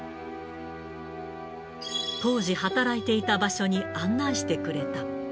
当時働いていた場所に案内してくれた。